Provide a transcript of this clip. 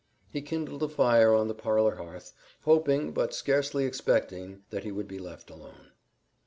He kindled a fire on the parlor hearth, hoping, but scarcely expecting, that he would be left alone.